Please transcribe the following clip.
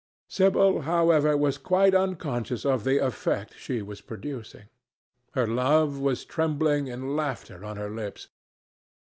Sibyl, however, was quite unconscious of the effect she was producing. Her love was trembling in laughter on her lips.